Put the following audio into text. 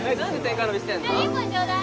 １本ちょうだい。